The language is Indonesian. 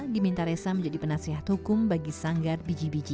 diminta resa menjadi penasehat hukum bagi sanggar biji biji